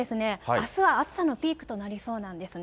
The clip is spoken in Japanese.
あすは暑さのピークとなりそうなんですね。